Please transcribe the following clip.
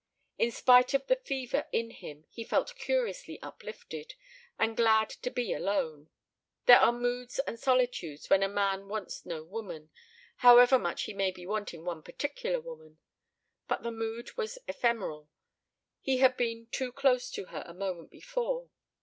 In spite of the fever in him he felt curiously uplifted and glad to be alone. There are moods and solitudes when a man wants no woman, however much he may be wanting one particular woman. ... But the mood was ephemeral; he had been too close to her a moment before.